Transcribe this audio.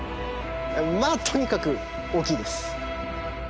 まあとにかく大きいです。